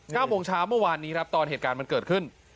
เก้าโมงเช้าเมื่อวานนี้ครับตอนเหตุการณ์มันเกิดขึ้น